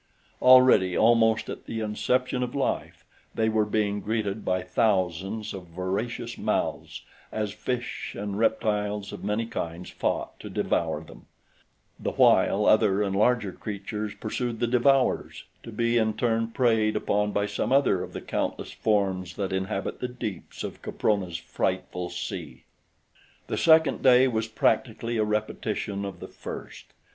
Already almost at the inception of life they were being greeted by thousands of voracious mouths as fish and reptiles of many kinds fought to devour them, the while other and larger creatures pursued the devourers, to be, in turn, preyed upon by some other of the countless forms that inhabit the deeps of Caprona's frightful sea. The second day was practically a repetition of the first.